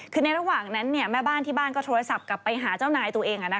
คือในระหว่างนั้นแม่บ้านที่บ้านก็โทรศัพท์กลับไปหาเจ้านายตัวเอง